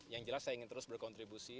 yang jelas saya ingin terus berkontribusi